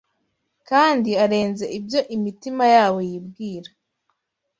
kandi arenze ibyo imitima yabo yibwira